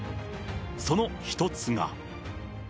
その一つが。